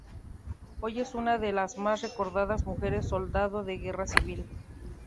Hoy es una de las más recordadas mujeres soldado de la Guerra Civil.